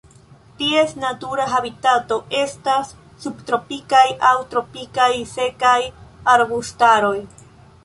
Ties natura habitato estas subtropikaj aŭ tropikaj sekaj arbustaroj.